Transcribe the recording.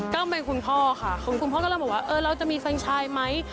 ก็เป็นคุณพ่อค่ะคุณพ่อกำลังบอกว่าเออเราจะมีแฟนชายไหม